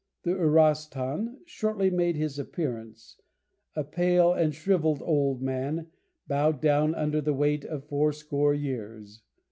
The "Uross ton" shortly made his appearance, a pale and shrivelled old man, bowed down under the weight of fourscore years.